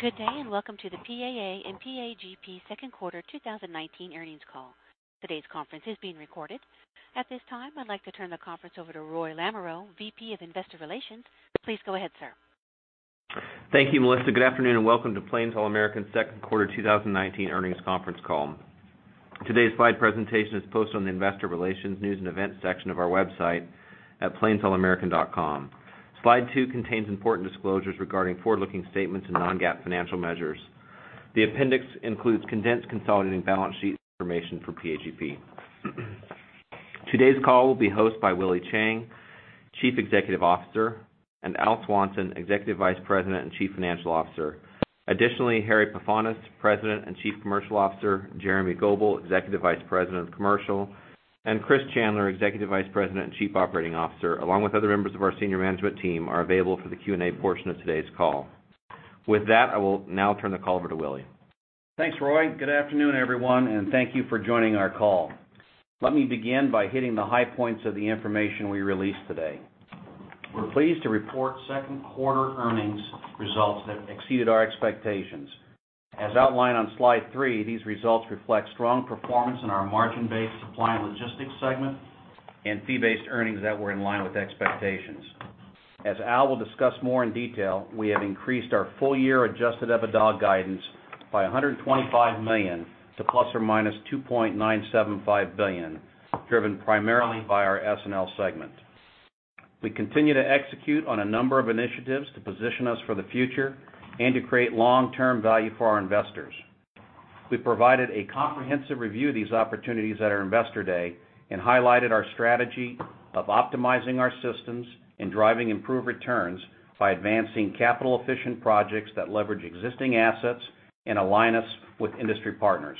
Good day. Welcome to the PAA and PAGP second quarter 2019 earnings call. Today's conference is being recorded. At this time, I'd like to turn the conference over to Roy Lamoreaux, VP of Investor Relations. Please go ahead, sir. Thank you, Melissa. Good afternoon, and welcome to Plains All American second quarter 2019 earnings conference call. Today's slide presentation is posted on the investor relations, news, and events section of our website at plainsallamerican.com. Slide two contains important disclosures regarding forward-looking statements and non-GAAP financial measures. The appendix includes condensed consolidated balance sheet information for PAGP. Today's call will be hosted by Willie Chiang, Chief Executive Officer, and Al Swanson, Executive Vice President and Chief Financial Officer. Additionally, Harry Pefanis, President and Chief Commercial Officer, Jeremy Goebel, Executive Vice President of Commercial, and Chris Chandler, Executive Vice President and Chief Operating Officer, along with other members of our senior management team, are available for the Q&A portion of today's call. With that, I will now turn the call over to Willie. Thanks, Roy. Good afternoon, everyone, and thank you for joining our call. Let me begin by hitting the high points of the information we released today. We're pleased to report second quarter earnings results that exceeded our expectations. As outlined on slide three, these results reflect strong performance in our margin-based Supply and Logistics segment and fee-based earnings that were in line with expectations. As Al will discuss more in detail, we have increased our full-year adjusted EBITDA guidance by $125 million to ±$2.975 billion, driven primarily by our S&L segment. We continue to execute on a number of initiatives to position us for the future and to create long-term value for our investors. We provided a comprehensive review of these opportunities at our investor day and highlighted our strategy of optimizing our systems and driving improved returns by advancing capital-efficient projects that leverage existing assets and align us with industry partners.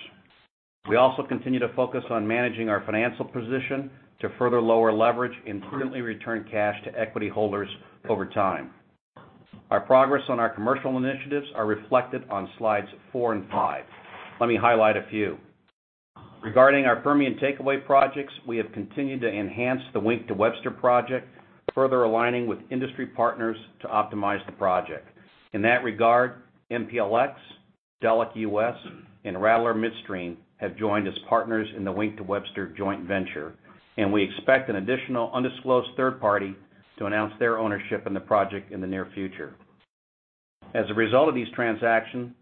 We also continue to focus on managing our financial position to further lower leverage and prudently return cash to equity holders over time. Our progress on our commercial initiatives are reflected on slides four and five. Let me highlight a few. Regarding our Permian takeaway projects, we have continued to enhance the Wink to Webster project, further aligning with industry partners to optimize the project. In that regard, MPLX, Delek US, and Rattler Midstream have joined as partners in the Wink to Webster joint venture. We expect an additional undisclosed third party to announce their ownership in the project in the near future. As a result of these transactions,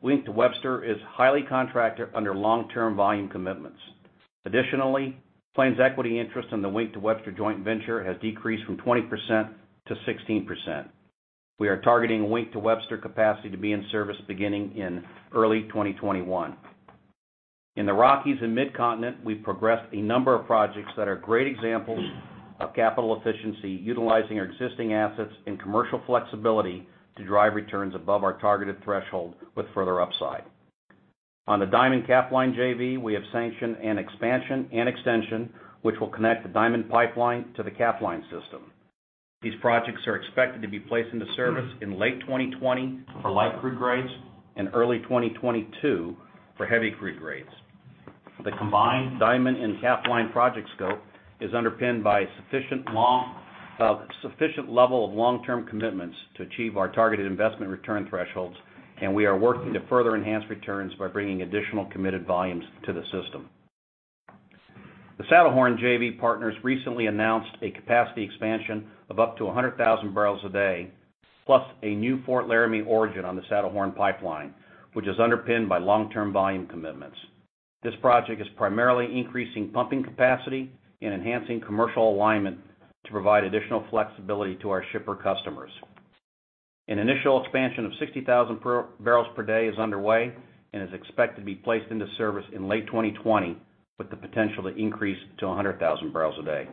Wink to Webster is highly contracted under long-term volume commitments. Additionally, Plains' equity interest in the Wink to Webster joint venture has decreased from 20% to 16%. We are targeting Wink to Webster capacity to be in service beginning in early 2021. In the Rockies and Mid-Continent, we've progressed a number of projects that are great examples of capital efficiency, utilizing our existing assets and commercial flexibility to drive returns above our targeted threshold with further upside. On the Diamond Capline JV, we have sanctioned an expansion and extension which will connect the Diamond Pipeline to the Capline system. These projects are expected to be placed into service in late 2020 for light crude grades and early 2022 for heavy crude grades. The combined Diamond and Capline project scope is underpinned by a sufficient level of long-term commitments to achieve our targeted investment return thresholds, and we are working to further enhance returns by bringing additional committed volumes to the system. The Saddlehorn JV partners recently announced a capacity expansion of up to 100,000 barrels a day, plus a new Fort Laramie origin on the Saddlehorn pipeline, which is underpinned by long-term volume commitments. This project is primarily increasing pumping capacity and enhancing commercial alignment to provide additional flexibility to our shipper customers. An initial expansion of 60,000 barrels per day is underway and is expected to be placed into service in late 2020, with the potential to increase to 100,000 barrels a day.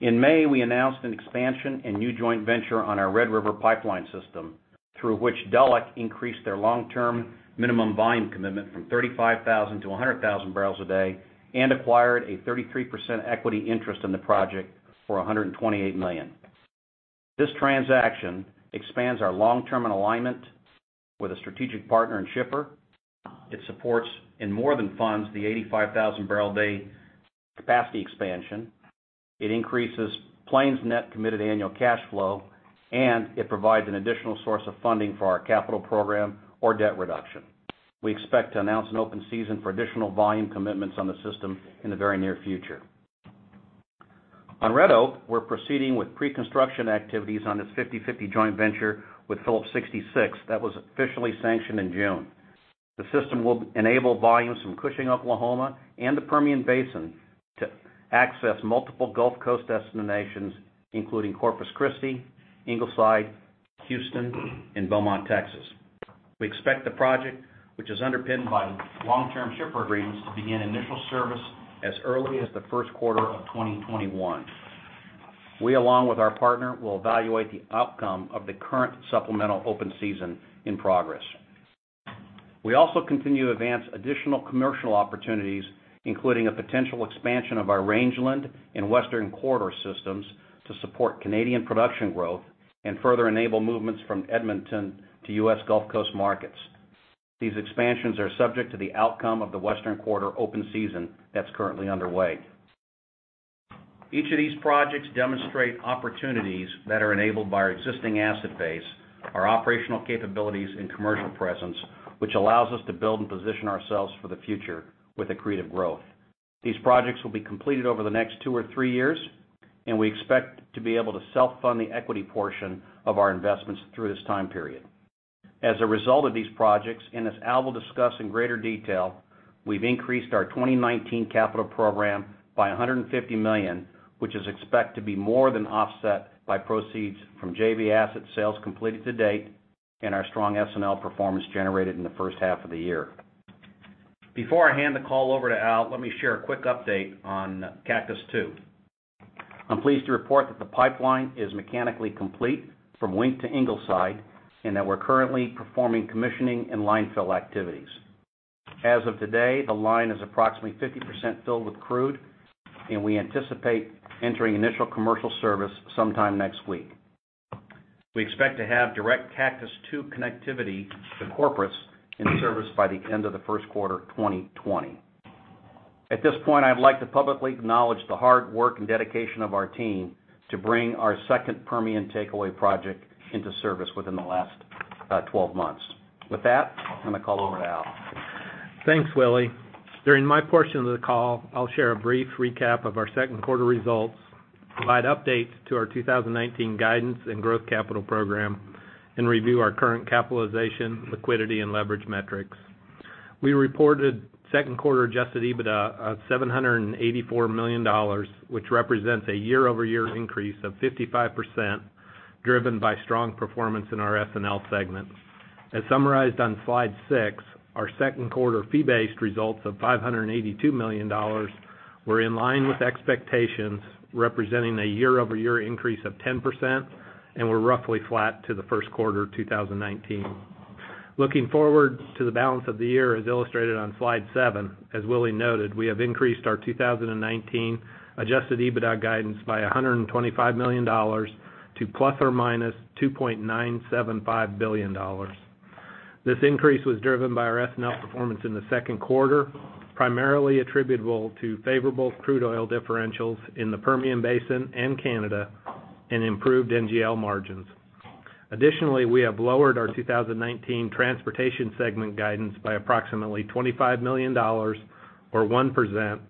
In May, we announced an expansion and new joint venture on our Red River Pipeline system, through which Delek increased their long-term minimum volume commitment from 35,000 to 100,000 barrels a day and acquired a 33% equity interest in the project for $128 million. This transaction expands our long-term alignment with a strategic partner and shipper. It supports and more than funds the 85,000 barrel a day capacity expansion. It increases Plains' net committed annual cash flow, and it provides an additional source of funding for our capital program or debt reduction. We expect to announce an open season for additional volume commitments on the system in the very near future. On Red Oak, we're proceeding with pre-construction activities on its 50/50 joint venture with Phillips 66 that was officially sanctioned in June. The system will enable volumes from Cushing, Oklahoma, and the Permian Basin to access multiple Gulf Coast destinations, including Corpus Christi, Ingleside, Houston, and Beaumont, Texas. We expect the project, which is underpinned by long-term shipper agreements, to begin initial service as early as the first quarter of 2021. We, along with our partner, will evaluate the outcome of the current supplemental open season in progress. We also continue to advance additional commercial opportunities, including a potential expansion of our Rangeland and Western Corridor systems to support Canadian production growth and further enable movements from Edmonton to U.S. Gulf Coast markets. These expansions are subject to the outcome of the Western Corridor open season that's currently underway. Each of these projects demonstrate opportunities that are enabled by our existing asset base, our operational capabilities, and commercial presence, which allows us to build and position ourselves for the future with accretive growth. These projects will be completed over the next two or three years, and we expect to be able to self-fund the equity portion of our investments through this time period. As a result of these projects, and as Al will discuss in greater detail, we've increased our 2019 capital program by $150 million, which is expected to be more than offset by proceeds from JV asset sales completed to date and our strong S&L performance generated in the first half of the year. Before I hand the call over to Al, let me share a quick update on Cactus II. I'm pleased to report that the pipeline is mechanically complete from Wink to Ingleside, and that we're currently performing commissioning and line fill activities. As of today, the line is approximately 50% filled with crude, and we anticipate entering initial commercial service sometime next week. We expect to have direct Cactus II connectivity to Corpus in service by the end of the first quarter 2020. At this point, I'd like to publicly acknowledge the hard work and dedication of our team to bring our second Permian takeaway project into service within the last 12 months. With that, I'm going to call over to Al. Thanks, Willie. During my portion of the call, I'll share a brief recap of our second quarter results, provide updates to our 2019 guidance and growth capital program, and review our current capitalization, liquidity, and leverage metrics. We reported second quarter adjusted EBITDA of $784 million, which represents a year-over-year increase of 55%, driven by strong performance in our S&L segment. As summarized on slide six, our second quarter fee-based results of $582 million were in line with expectations, representing a year-over-year increase of 10% and were roughly flat to the first quarter of 2019. Looking forward to the balance of the year, as illustrated on slide seven, as Willie noted, we have increased our 2019 adjusted EBITDA guidance by $125 million to ±$2.975 billion. This increase was driven by our S&L performance in the second quarter, primarily attributable to favorable crude oil differentials in the Permian Basin and Canada and improved NGL margins. Additionally, we have lowered our 2019 transportation segment guidance by approximately $25 million, or 1%,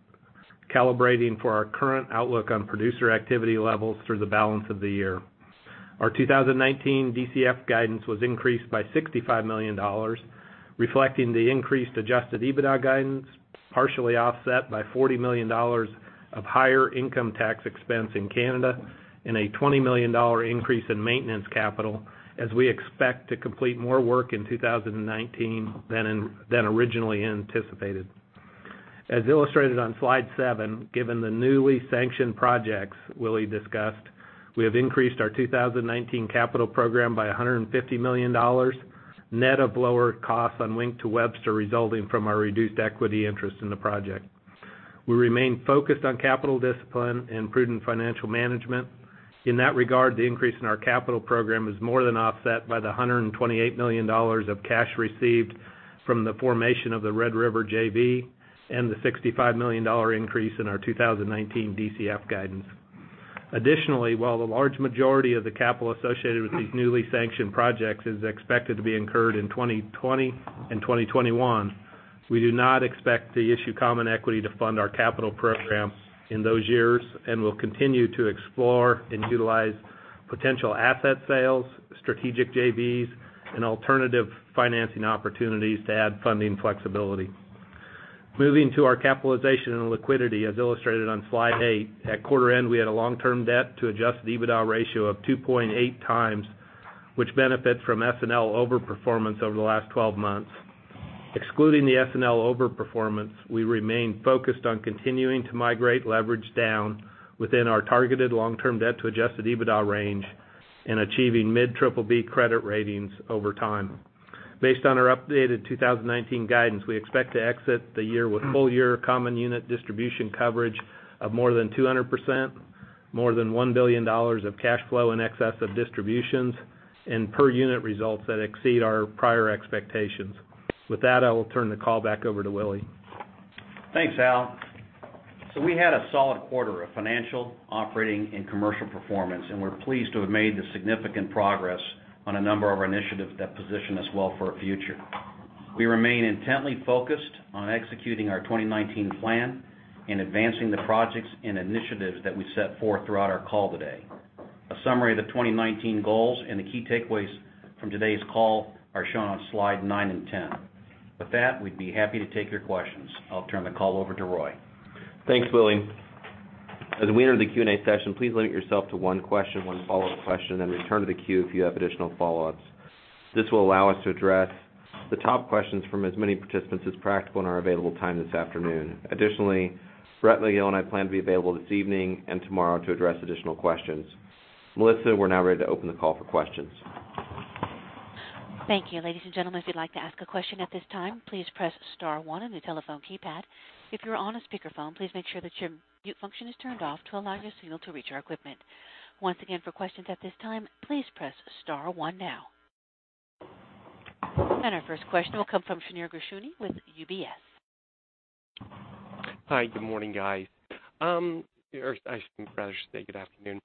calibrating for our current outlook on producer activity levels through the balance of the year. Our 2019 DCF guidance was increased by $65 million, reflecting the increased adjusted EBITDA guidance, partially offset by $40 million of higher income tax expense in Canada and a $20 million increase in maintenance capital, as we expect to complete more work in 2019 than originally anticipated. As illustrated on slide seven, given the newly sanctioned projects Willie discussed, we have increased our 2019 capital program by $150 million, net of lower costs on Wink to Webster resulting from our reduced equity interest in the project. We remain focused on capital discipline and prudent financial management. In that regard, the increase in our capital program is more than offset by the $128 million of cash received from the formation of the Red River JV and the $65 million increase in our 2019 DCF guidance. Additionally, while the large majority of the capital associated with these newly sanctioned projects is expected to be incurred in 2020 and 2021, we do not expect to issue common equity to fund our capital program in those years and will continue to explore and utilize potential asset sales, strategic JVs, and alternative financing opportunities to add funding flexibility. Moving to our capitalization and liquidity, as illustrated on slide eight, at quarter end, we had a long-term debt to adjusted EBITDA ratio of 2.8 times, which benefits from S&L over-performance over the last 12 months. Excluding the S&L over-performance, we remain focused on continuing to migrate leverage down within our targeted long-term debt to adjusted EBITDA range and achieving mid-triple B credit ratings over time. Based on our updated 2019 guidance, we expect to exit the year with full-year common unit distribution coverage of more than 200%, more than $1 billion of cash flow in excess of distributions, and per unit results that exceed our prior expectations. With that, I will turn the call back over to Willie. Thanks, Al. We had a solid quarter of financial, operating, and commercial performance, and we're pleased to have made significant progress on a number of our initiatives that position us well for our future. We remain intently focused on executing our 2019 plan and advancing the projects and initiatives that we set forth throughout our call today. A summary of the 2019 goals and the key takeaways from today's call are shown on slides nine and ten. With that, we'd be happy to take your questions. I'll turn the call over to Roy. Thanks, Willie. As we enter the Q&A session, please limit yourself to one question, one follow-up question, and return to the queue if you have additional follow-ups. This will allow us to address the top questions from as many participants as practical in our available time this afternoon. Additionally, Brett LeGille and I plan to be available this evening and tomorrow to address additional questions. Melissa, we are now ready to open the call for questions. Thank you. Ladies and gentlemen, if you'd like to ask a question at this time, please press *1 on your telephone keypad. If you are on a speakerphone, please make sure that your mute function is turned off to allow your signal to reach our equipment. Once again, for questions at this time, please press *1 now. Our first question will come from Shneur Gershuni with UBS. Hi, good morning, guys. Or I should rather say good afternoon.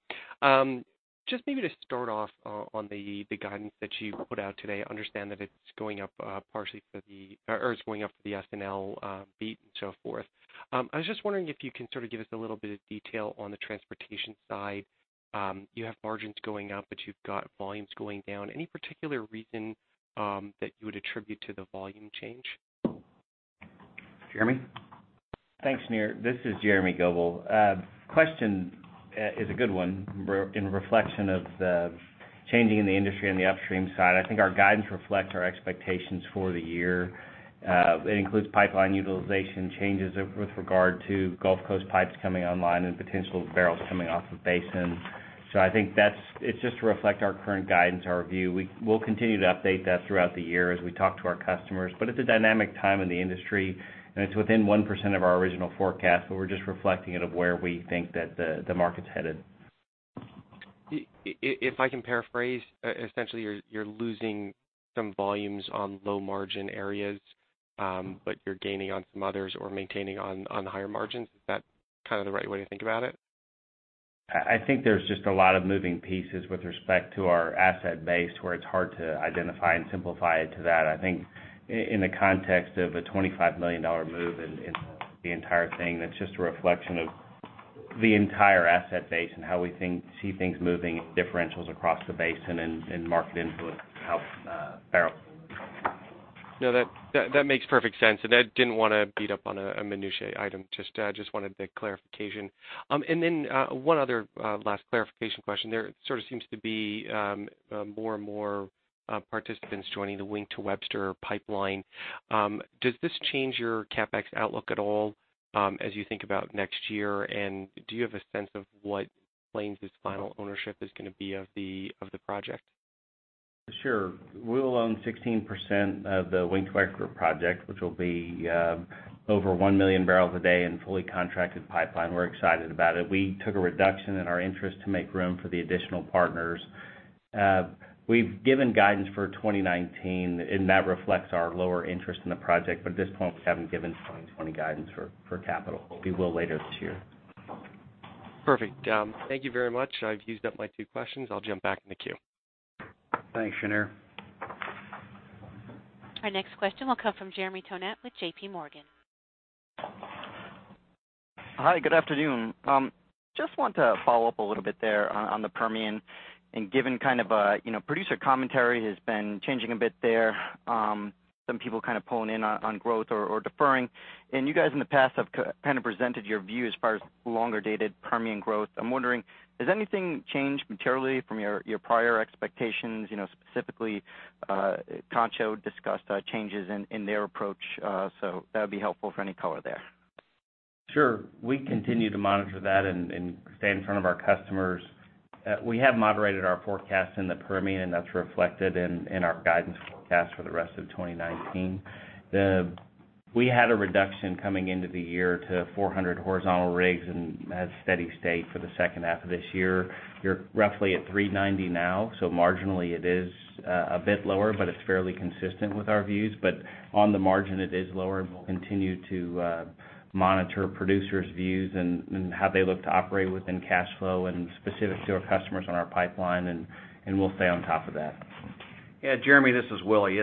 Just maybe to start off on the guidance that you put out today, I understand that it's going up for the S&L beat and so forth. I was just wondering if you can sort of give us a little bit of detail on the transportation side. You have margins going up, but you've got volumes going down. Any particular reason that you would attribute to the volume change? Jeremy? Thanks, Sunil. This is Jeremy Goebel. Question is a good one. In reflection of the changing in the industry on the upstream side, I think our guidance reflects our expectations for the year. It includes pipeline utilization changes with regard to Gulf Coast pipes coming online and potential barrels coming off of basins. I think it's just to reflect our current guidance, our view. We'll continue to update that throughout the year as we talk to our customers. It's a dynamic time in the industry, and it's within 1% of our original forecast, but we're just reflecting it of where we think that the market's headed. If I can paraphrase, essentially, you're losing some volumes on low-margin areas, but you're gaining on some others or maintaining on the higher margins. Is that kind of the right way to think about it? I think there's just a lot of moving pieces with respect to our asset base, where it's hard to identify and simplify it to that. I think in the context of a $25 million move in the entire thing, that's just a reflection of the entire asset base and how we see things moving and differentials across the basin and market influence how barrels move. No, that makes perfect sense, and I didn't want to beat up on a minutiae item. Just wanted the clarification. Then one other last clarification question. There sort of seems to be more and more participants joining the Wink to Webster pipeline. Does this change your CapEx outlook at all as you think about next year, and do you have a sense of what Plains' final ownership is going to be of the project? Sure. We will own 16% of the Wink to Webster project, which will be over 1 million barrels a day in fully contracted pipeline. We're excited about it. We took a reduction in our interest to make room for the additional partners. We've given guidance for 2019, that reflects our lower interest in the project. At this point, we haven't given 2020 guidance for capital. We will later this year. Perfect. Thank you very much. I've used up my two questions. I'll jump back in the queue. Thanks, Shneur. Our next question will come from Jeremy Tonet with JP Morgan. Hi, good afternoon. Just want to follow up a little bit there on the Permian. Given kind of producer commentary has been changing a bit there. Some people kind of pulling in on growth or deferring. You guys in the past have kind of presented your view as far as longer-dated Permian growth. I'm wondering, has anything changed materially from your prior expectations? Specifically, Concho discussed changes in their approach. That would be helpful for any color there. We continue to monitor that and stay in front of our customers. We have moderated our forecast in the Permian, and that's reflected in our guidance forecast for the rest of 2019. We had a reduction coming into the year to 400 horizontal rigs and that's steady state for the second half of this year. You're roughly at 390 now, so marginally it is a bit lower, but it's fairly consistent with our views. On the margin, it is lower, and we'll continue to monitor producers' views and how they look to operate within cash flow and specific to our customers on our pipeline, and we'll stay on top of that. Yeah, Jeremy, this is Willie.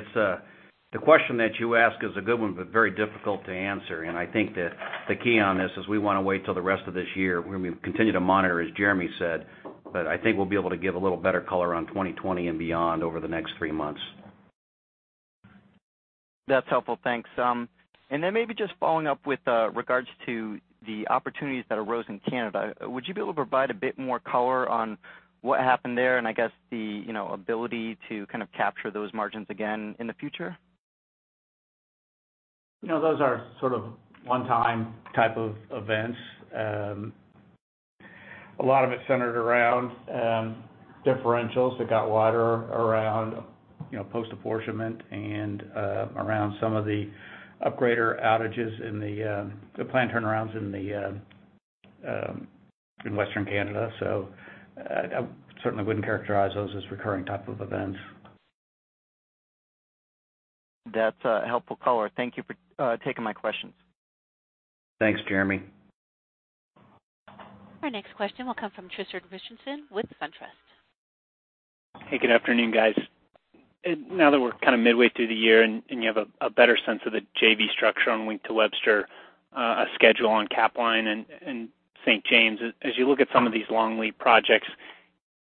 The question that you ask is a good one, but very difficult to answer. I think that the key on this is we want to wait till the rest of this year when we continue to monitor, as Jeremy said. I think we'll be able to give a little better color on 2020 and beyond over the next three months. That's helpful. Thanks. Maybe just following up with regards to the opportunities that arose in Canada. Would you be able to provide a bit more color on what happened there and I guess the ability to kind of capture those margins again in the future? Those are sort of one-time type of events. A lot of it centered around differentials that got wider around post-apportionment and around some of the upgrader outages in the plant turnarounds in Western Canada. I certainly wouldn't characterize those as recurring type of events. That's a helpful color. Thank you for taking my questions. Thanks, Jeremy. Our next question will come from Tristram Richardson with SunTrust. Hey, good afternoon, guys. Now that we're kind of midway through the year and you have a better sense of the JV structure on Wink to Webster, a schedule on Capline and St. James, as you look at some of these long lead projects,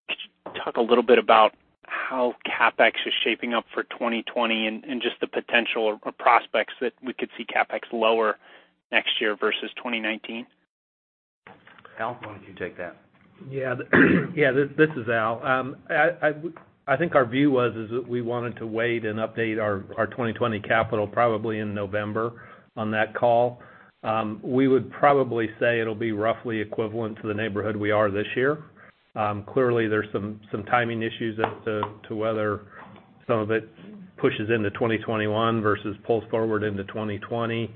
could you talk a little bit about how CapEx is shaping up for 2020 and just the potential or prospects that we could see CapEx lower next year versus 2019? Al, why don't you take that? Yeah. This is Al. I think our view was is that we wanted to wait and update our 2020 capital probably in November on that call. We would probably say it'll be roughly equivalent to the neighborhood we are this year. There's some timing issues as to whether some of it pushes into 2021 versus pulls forward into 2020.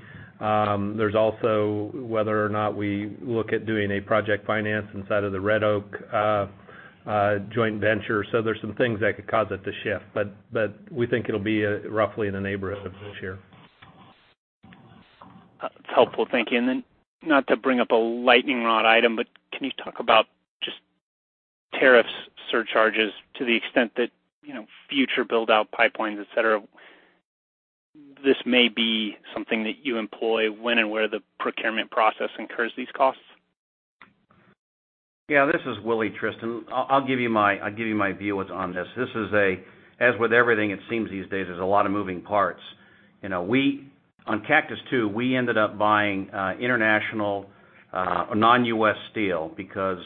There's also whether or not we look at doing a project finance inside of the Red Oak joint venture. There's some things that could cause it to shift, but we think it'll be roughly in the neighborhood of a full share. That's helpful. Thank you. Not to bring up a lightning rod item, but can you talk about just tariffs surcharges to the extent that future build-out pipelines, et cetera, this may be something that you employ when and where the procurement process incurs these costs? Yeah, this is Willie, Tristan. I'll give you my view on this. As with everything it seems these days, there's a lot of moving parts. On Cactus II, we ended up buying international non-U.S. steel because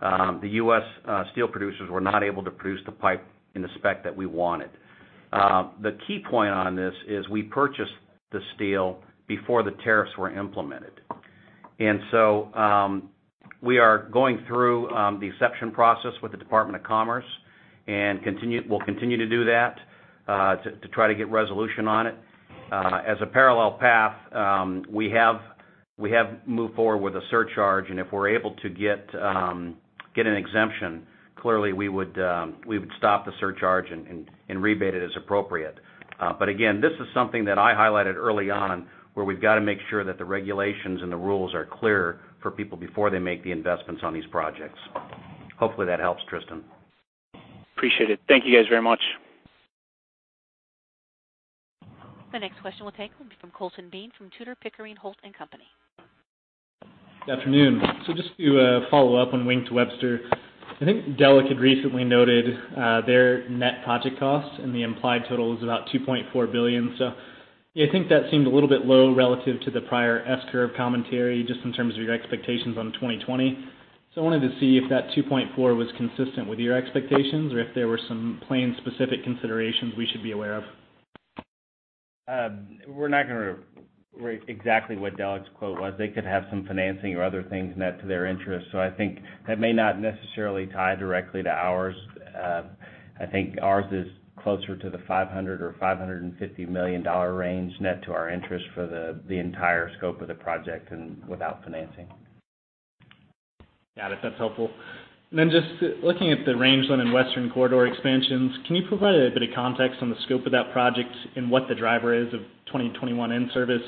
the U.S. steel producers were not able to produce the pipe in the spec that we wanted. The key point on this is we purchased the steel before the tariffs were implemented. We are going through the exception process with the Department of Commerce, and we'll continue to do that to try to get resolution on it. As a parallel path, we have moved forward with a surcharge, and if we're able to get an exemption, clearly we would stop the surcharge and rebate it as appropriate. Again, this is something that I highlighted early on where we've got to make sure that the regulations and the rules are clear for people before they make the investments on these projects. Hopefully that helps, Tristan. Appreciate it. Thank you guys very much. The next question we'll take will be from Colton Bean from Tudor, Pickering, Holt & Co. Good afternoon. Just to follow up on Wink to Webster, I think Delek had recently noted their net project cost and the implied total is about $2.4 billion. I think that seemed a little bit low relative to the prior S-curve commentary, just in terms of your expectations on 2020. I wanted to see if that 2.4 was consistent with your expectations or if there were some Plains-specific considerations we should be aware of. We're not going to rate exactly what Delek's quote was. They could have some financing or other things net to their interest. I think that may not necessarily tie directly to ours. I think ours is closer to the $500 or $550 million range net to our interest for the entire scope of the project and without financing. Got it. That's helpful. Just looking at the Rangeland and Western Corridor expansions, can you provide a bit of context on the scope of that project and what the driver is of 2021 in-service?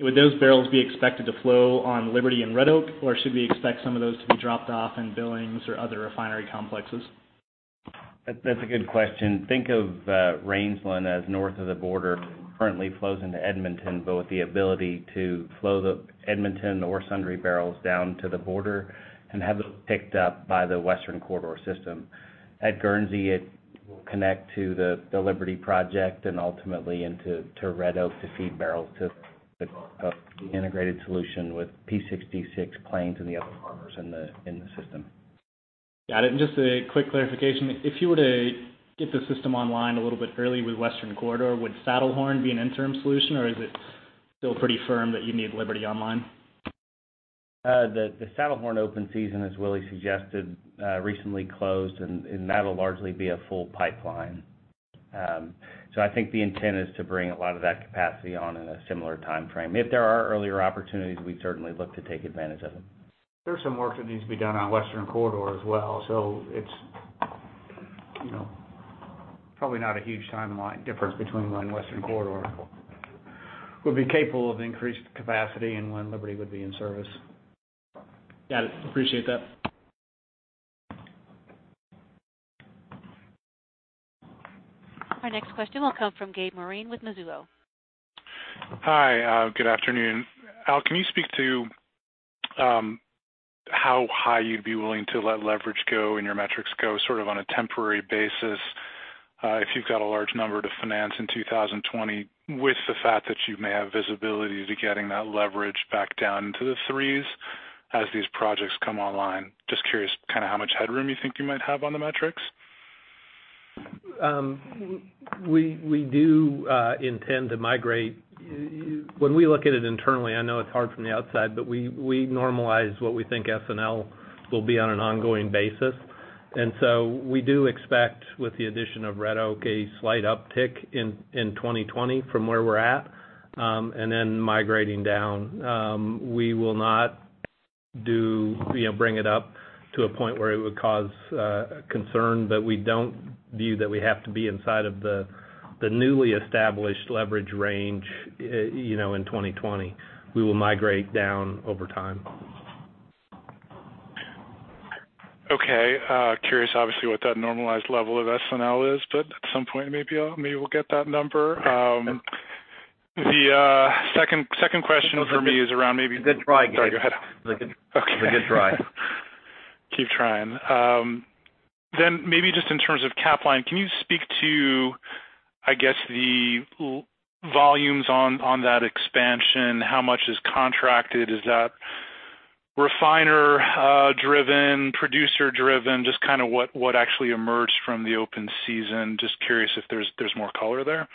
Would those barrels be expected to flow on Liberty and Red Oak, or should we expect some of those to be dropped off in Billings or other refinery complexes? That's a good question. Think of Rangeland as north of the border currently flows into Edmonton, with the ability to flow the Edmonton or Sundre barrels down to the border and have those picked up by the Western Corridor system. At Guernsey, it will connect to the Liberty project and ultimately into Red Oak to feed barrels to the integrated solution with P6, D6 Plains and the other partners in the system. Got it. Just a quick clarification. If you were to get the system online a little bit early with Western Corridor, would Saddlehorn be an interim solution or is it still pretty firm that you need Liberty online? The Saddlehorn open season, as Willie suggested, recently closed, and that'll largely be a full pipeline. I think the intent is to bring a lot of that capacity on in a similar timeframe. If there are earlier opportunities, we'd certainly look to take advantage of them. There's some work that needs to be done on Western Corridor as well. It's probably not a huge timeline difference between when Western Corridor would be capable of increased capacity and when Liberty would be in service. Got it. Appreciate that. Our next question will come from Gabe Moreen with Mizuho. Hi. Good afternoon. Al, can you speak to how high you'd be willing to let leverage go in your metrics go sort of on a temporary basis if you've got a large number to finance in 2020 with the fact that you may have visibility to getting that leverage back down into the 3s as these projects come online? Just curious kind of how much headroom you think you might have on the metrics. When we look at it internally, I know it's hard from the outside, but we normalize what we think S&L will be on an ongoing basis. So we do expect with the addition of Red Oak, a slight uptick in 2020 from where we're at, and then migrating down. We will not bring it up to a point where it would cause concern, but we don't view that we have to be inside of the newly established leverage range in 2020. We will migrate down over time. Okay. Curious obviously what that normalized level of S&L is, but at some point maybe I'll get that number. The second question for me is around. Good try, Gabe. Sorry, go ahead. Good try. Keep trying. maybe just in terms of Capline, can you speak to, I guess, the volumes on that expansion? How much is contracted? Is that refiner-driven, producer-driven? Just kind of what actually emerged from the open season. Just curious if there's more color there.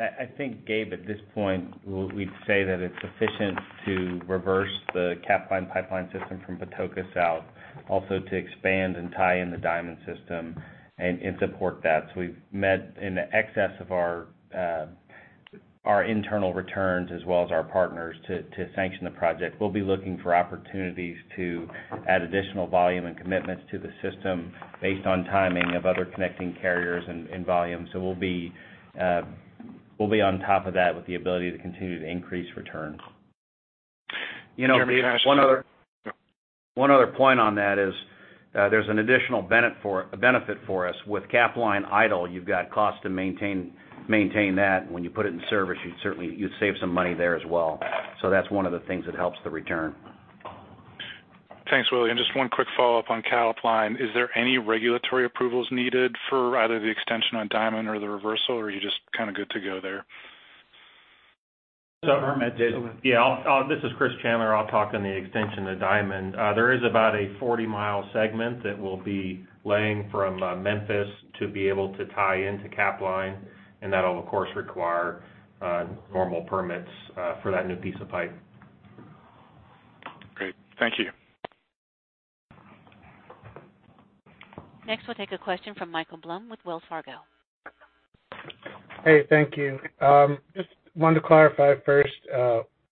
I think, Gabe, at this point, we'd say that it's sufficient to reverse the Capline Pipeline system from Patoka south, also to expand and tie in the Diamond Pipeline system and support that. We've met in the excess of our internal returns as well as our partners to sanction the project. We'll be looking for opportunities to add additional volume and commitments to the system based on timing of other connecting carriers and volumes. We'll be on top of that with the ability to continue to increase returns. Jeremy Goebel. One other point on that is, there's an additional benefit for us. With Capline idle, you've got cost to maintain that. When you put it in service, you'd save some money there as well. That's one of the things that helps the return. Thanks, Willie. Just one quick follow-up on Capline. Is there any regulatory approvals needed for either the extension on Diamond or the reversal, or are you just kind of good to go there? Harry, yeah. This is Chris Chandler, I'll talk on the extension to Diamond. There is about a 40-mile segment that we'll be laying from Memphis to be able to tie into Capline, that'll, of course, require normal permits for that new piece of pipe. Great. Thank you. Next, we'll take a question from Michael Blum with Wells Fargo. Hey, thank you. Just wanted to clarify first,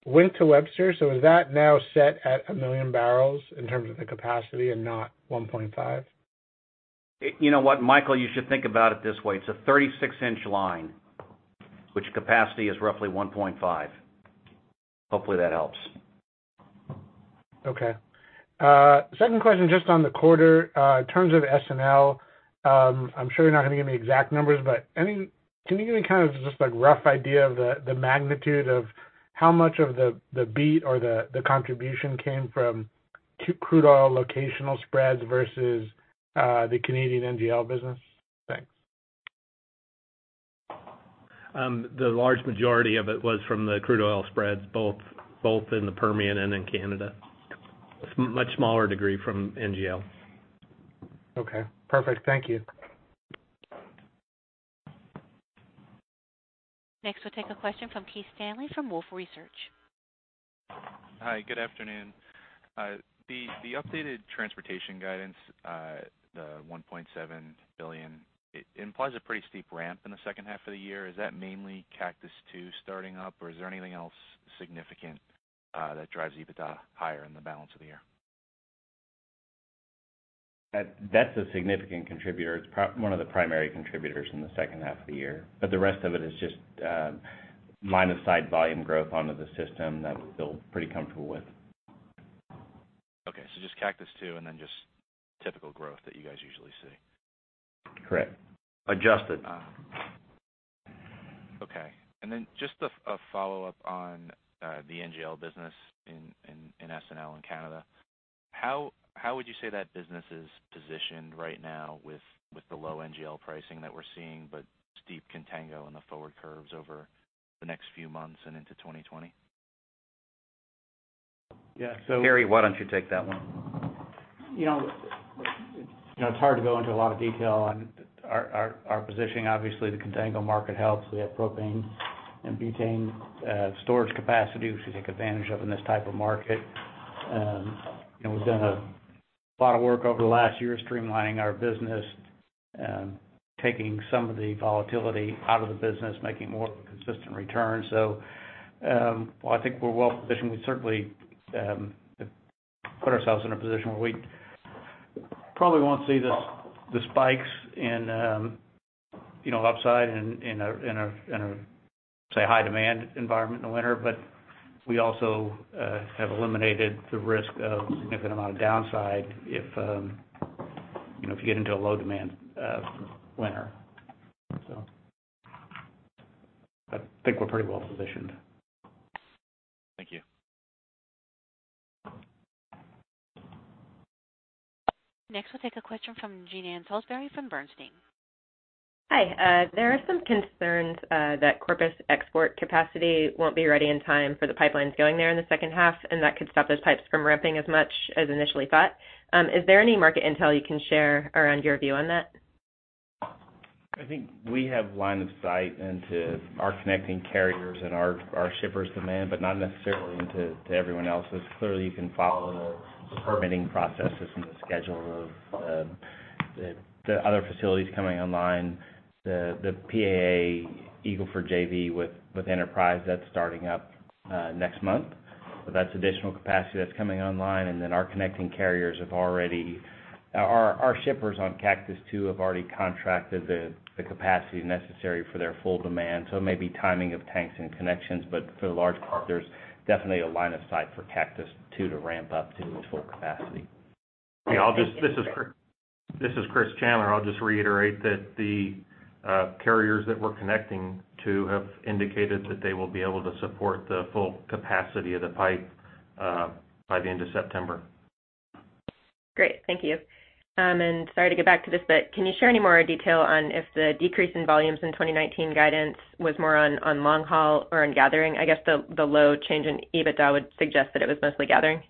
Wink to Webster, is that now set at a million barrels in terms of the capacity and not 1.5? You know what, Michael, you should think about it this way. It's a 36-inch line, which capacity is roughly 1.5. Hopefully that helps. Okay. Second question, just on the quarter, in terms of S&L, I'm sure you're not going to give me exact numbers, but can you give me kind of just like rough idea of the magnitude of how much of the beat or the contribution came from crude oil locational spreads versus the Canadian NGL business? Thanks. The large majority of it was from the crude oil spreads, both in the Permian and in Canada. Much smaller degree from NGL. Okay, perfect. Thank you. Next we'll take a question from Keith Stanley from Wolfe Research. Hi, good afternoon. The updated transportation guidance, the $1.7 billion, it implies a pretty steep ramp in the second half of the year. Is that mainly Cactus II starting up, or is there anything else significant that drives EBITDA higher in the balance of the year? That's a significant contributor. It's one of the primary contributors in the second half of the year. The rest of it is just line-of-sight volume growth onto the system that we feel pretty comfortable with. Okay. Just Cactus II and then just typical growth that you guys usually see. Correct. Adjusted. Okay. Just a follow-up on the NGL business in S&L in Canada. How would you say that business is positioned right now with the low NGL pricing that we're seeing, steep contango in the forward curves over the next few months and into 2020? Yeah. Jeremy, why don't you take that one? It's hard to go into a lot of detail on our positioning. Obviously, the contango market helps. We have propane and butane storage capacity, which we take advantage of in this type of market. We've done a lot of work over the last year streamlining our business, taking some of the volatility out of the business, making more of a consistent return. I think we're well-positioned. We certainly have put ourselves in a position where we probably won't see the spikes in upside in a, say, high demand environment in the winter. We also have eliminated the risk of a significant amount of downside if we get into a low-demand winter. I think we're pretty well-positioned. Thank you. Next, we'll take a question from Jean Ann Salisbury from Bernstein. Hi. There are some concerns that Corpus export capacity won't be ready in time for the pipelines going there in the second half, that could stop those pipes from ramping as much as initially thought. Is there any market intel you can share around your view on that? I think we have line of sight into our connecting carriers and our shippers' demand, but not necessarily into everyone else's. Clearly, you can follow the permitting processes and the schedule of the other facilities coming online. The PAA Eagle Ford JV with Enterprise, that's starting up next month. That's additional capacity that's coming online, and then our shippers on Cactus II have already contracted the capacity necessary for their full demand. It may be timing of tanks and connections, but for the large part, there's definitely a line of sight for Cactus II to ramp up to its full capacity. This is Chris Chandler. I'll just reiterate that the carriers that we're connecting to have indicated that they will be able to support the full capacity of the pipe by the end of September. Great. Thank you. Sorry to get back to this, but can you share any more detail on if the decrease in volumes in 2019 guidance was more on long-haul or in gathering? I guess the low change in EBITDA would suggest that it was mostly gathering.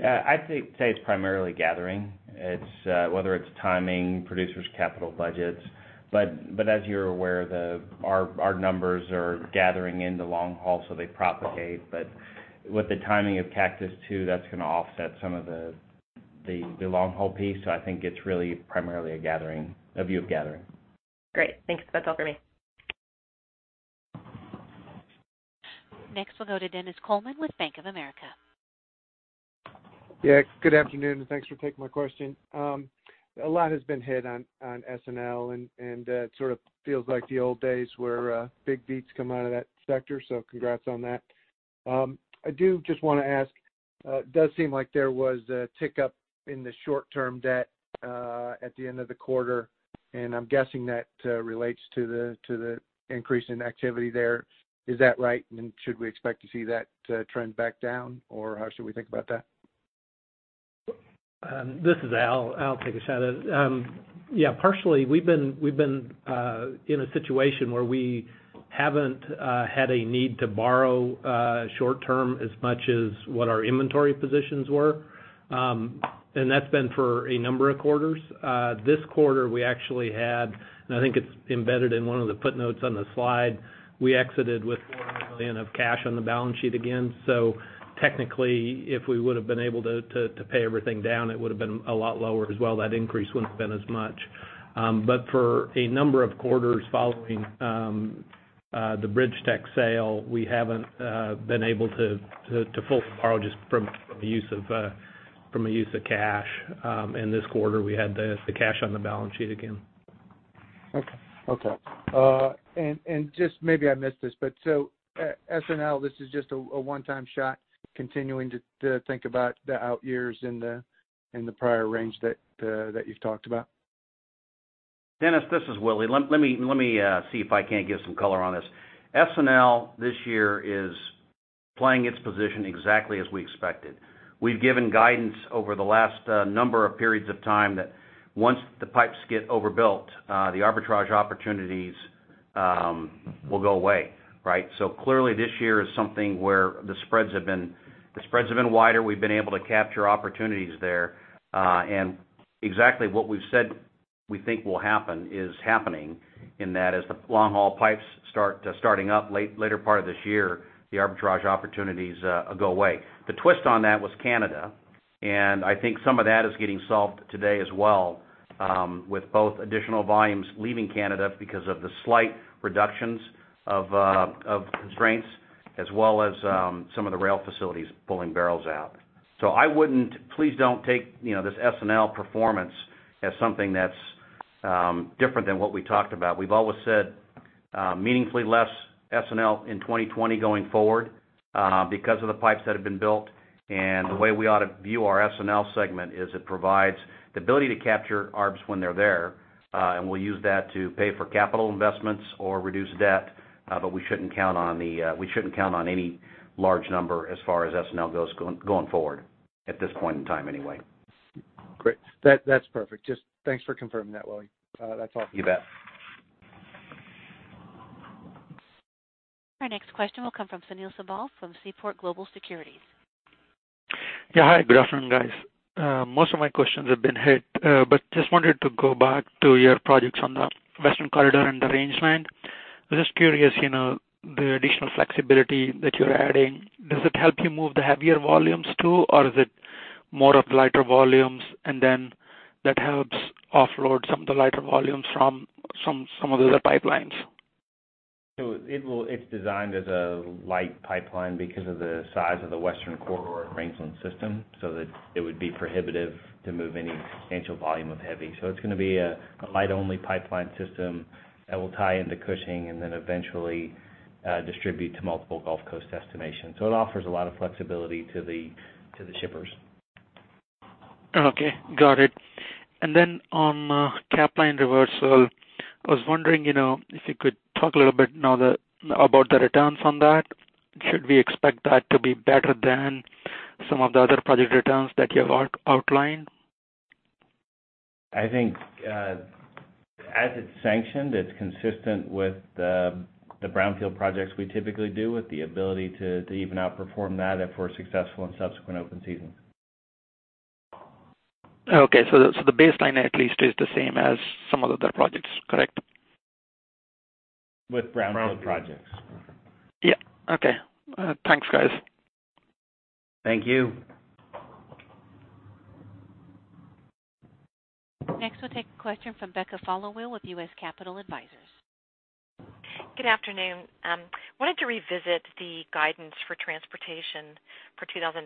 Yeah, I'd say it's primarily gathering. Whether it's timing, producers' capital budgets. As you're aware, our numbers are gathering into long-haul, so they propagate. With the timing of Cactus II, that's going to offset some of the long-haul piece, so I think it's really primarily a view of gathering. Great. Thanks. That's all for me. Next, we'll go to Dennis Coleman with Bank of America. Good afternoon, and thanks for taking my question. A lot has been hit on S&L, and it sort of feels like the old days where big beats come out of that sector, so congrats on that. I do just want to ask, it does seem like there was a tick up in the short-term debt at the end of the quarter, and I'm guessing that relates to the increase in activity there. Is that right? Should we expect to see that trend back down, or how should we think about that? This is Al. I'll take a shot at it. Yeah. Partially, we've been in a situation where we haven't had a need to borrow short-term as much as what our inventory positions were. That's been for a number of quarters. This quarter, we actually had, and I think it's embedded in one of the footnotes on the slide, we exited with $400 million of cash on the balance sheet again. Technically, if we would've been able to pay everything down, it would've been a lot lower as well. That increase wouldn't have been as much. For a number of quarters following the BridgeTex sale, we haven't been able to fully borrow just from a use of cash. In this quarter, we had the cash on the balance sheet again. Okay. Just maybe I missed this, but S&L, this is just a one-time shot, continuing to think about the out years in the prior range that you've talked about? Dennis, this is Willie. Let me see if I can't give some color on this. S&L this year is playing its position exactly as we expected. We've given guidance over the last number of periods of time that once the pipes get overbuilt, the arbitrage opportunities will go away, right? Clearly this year is something where the spreads have been wider. We've been able to capture opportunities there. Exactly what we've said we think will happen is happening in that as the long-haul pipes starting up later part of this year, the arbitrage opportunities go away. The twist on that was Canada, and I think some of that is getting solved today as well with both additional volumes leaving Canada because of the slight reductions of constraints as well as some of the rail facilities pulling barrels out. Please don't take this S&L performance as something that's different than what we talked about. We've always said meaningfully less S&L in 2020 going forward because of the pipes that have been built. The way we ought to view our S&L segment is it provides the ability to capture arbs when they're there, and we'll use that to pay for capital investments or reduce debt. We shouldn't count on any large number as far as S&L goes going forward at this point in time anyway. Great. That's perfect. Just thanks for confirming that, Willie. That's all. You bet. Our next question will come from Sunil Sibal from Seaport Global Securities. Yeah. Hi. Good afternoon, guys. Most of my questions have been hit. Just wanted to go back to your projects on the Western Corridor and the Rangeland. I was just curious, the additional flexibility that you're adding, does it help you move the heavier volumes too, or is it more of lighter volumes, and then that helps offload some of the lighter volumes from some of the other pipelines? It's designed as a light pipeline because of the size of the Western Corridor and Rangeland system, so that it would be prohibitive to move any substantial volume of heavy. It's going to be a light-only pipeline system that will tie into Cushing and then eventually distribute to multiple Gulf Coast destinations. It offers a lot of flexibility to the shippers. Okay. Got it. On Capline reversal, I was wondering if you could talk a little bit now about the returns on that. Should we expect that to be better than some of the other project returns that you have outlined? I think, as it's sanctioned, it's consistent with the brownfield projects we typically do with the ability to even outperform that if we're successful in subsequent open seasons. Okay. The baseline at least is the same as some of the other projects, correct? With brownfield projects. Yeah. Okay. Thanks, guys. Thank you. Next, we'll take a question from Becca Followill with U.S. Capital Advisors. Good afternoon. Wanted to revisit the guidance for transportation for 2019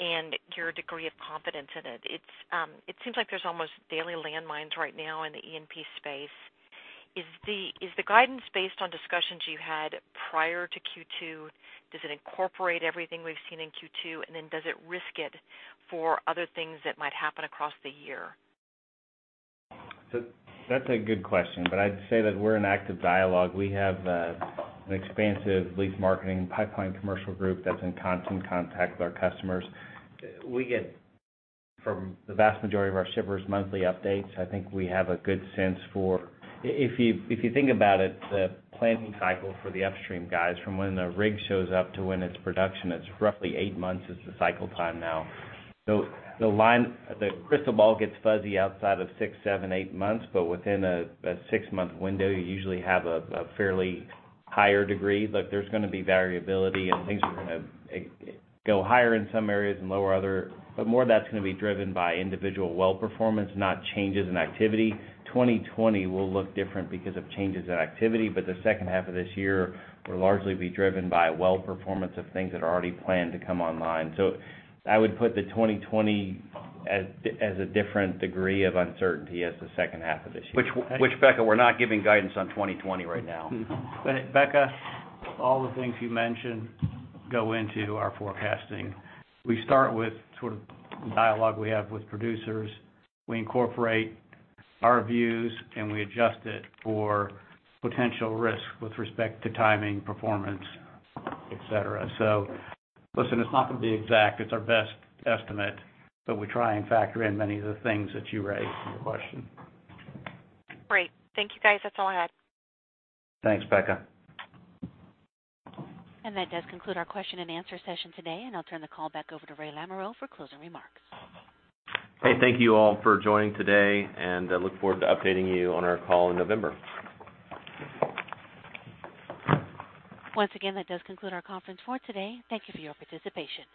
and your degree of confidence in it. It seems like there's almost daily landmines right now in the E&P space. Is the guidance based on discussions you had prior to Q2? Does it incorporate everything we've seen in Q2, and then does it risk it for other things that might happen across the year? That's a good question. I'd say that we're in active dialogue. We have an expansive lease marketing pipeline commercial group that's in constant contact with our customers. We get from the vast majority of our shippers monthly updates. I think we have a good sense. If you think about it, the planning cycle for the upstream guys from when the rig shows up to when it's production, it's roughly 8 months is the cycle time now. The crystal ball gets fuzzy outside of six, seven, eight months. Within a six-month window, you usually have a fairly higher degree. Look, there's going to be variability. Things are going to go higher in some areas and lower other. More of that's going to be driven by individual well performance, not changes in activity. 2020 will look different because of changes in activity, but the second half of this year will largely be driven by well performance of things that are already planned to come online. I would put the 2020 as a different degree of uncertainty as the second half of this year. Becca, we're not giving guidance on 2020 right now. Becca, all the things you mentioned go into our forecasting. We start with sort of dialogue we have with producers. We incorporate our views, we adjust it for potential risk with respect to timing, performance, etc. Listen, it's not going to be exact. It's our best estimate, we try and factor in many of the things that you raised in your question. Great. Thank you, guys. That's all I had. Thanks, Becca. That does conclude our question and answer session today, and I'll turn the call back over to Roy Lamoreaux for closing remarks. Hey, thank you all for joining today, and I look forward to updating you on our call in November. Once again, that does conclude our conference for today. Thank you for your participation.